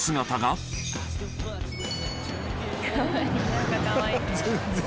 なんかかわいい。